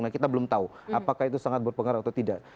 nah kita belum tahu apakah itu sangat berpengaruh atau tidak